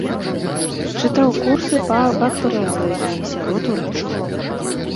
Чытаў курсы па бактэрыялогіі сярод урачоў.